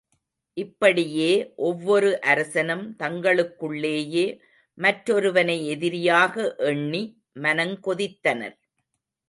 இப்படியே ஒவ்வொரு அரசனும் தங்களுக்குள்ளேயே மற்றொருவனை எதிரியாக எண்ணி மனங்கொதித்தனர்.